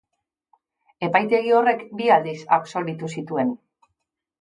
Epaitegi horrek bi aldiz absolbitu zituen.